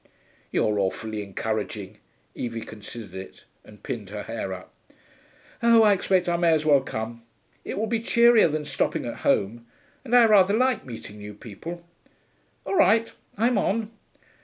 'You're awfully encouraging.' Evie considered it, and pinned her hair up. 'Oh, I expect I may as well come. It will be cheerier than stopping at home. And I rather like meeting new people.... All right, I'm on.